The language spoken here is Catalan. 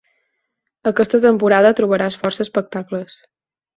Aquesta temporada trobaràs força espectacles.